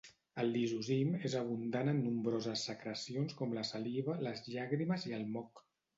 El lisozim és abundant en nombroses secrecions com la saliva, les llàgrimes i el moc.